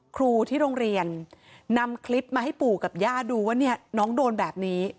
ครูที่โรงเรียนนำคลิปมาให้ปู่กับย่าดูว่าเนี่ยน้องโดนแบบนี้